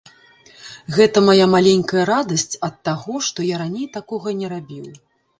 Гэта мая маленькая радасць ад таго, што я раней такога не рабіў.